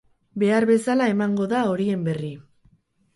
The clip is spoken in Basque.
Behar bezala emango da horien berri.